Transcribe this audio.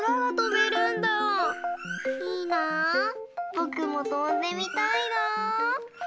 ぼくもとんでみたいな。